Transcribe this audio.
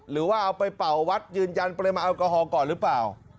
หรือว่าเอาไปเป่าวัดยืนยันปริมาณแอลกอฮอล์ก่อนหรือเปล่า